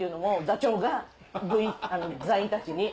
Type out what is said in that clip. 座長が座員たちに。